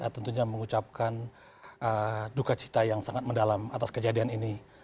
tentunya mengucapkan duka cita yang sangat mendalam atas kejadian ini